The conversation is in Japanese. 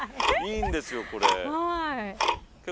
いいんですよこれ。